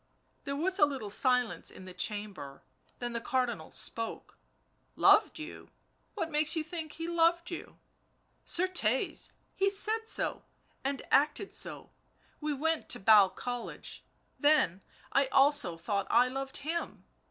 There was a little silence in the chamber, then the Cardinal spoke. u Loved you ?— what makes you think he loved you " Certes, he said so, and acted so ... we went to Basle College — then, I also thought I loved him